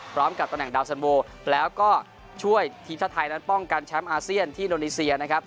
พร้อมกับตะแหน่งดาวสันโบแล้วก็ช่วยทีมท่าไทยนั้นป้องกันแชมป์อาเซียนที่โนนิเซียนะครับ